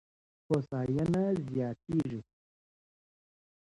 هوساينه زياتېږي.